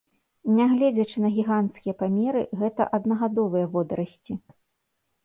Нягледзячы на гіганцкія памеры, гэта аднагадовыя водарасці.